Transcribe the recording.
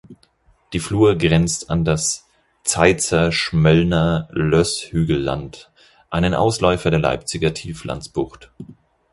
Die Flur grenzt an das "Zeitzer-Schmöllner-Lösshügelland", einen Ausläufer der Leipziger Tieflandsbucht.